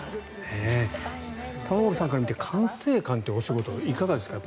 玉森さんから見て管制官というお仕事はいかがですか？